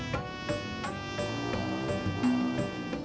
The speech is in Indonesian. tidak mau ketuk bit tiga belas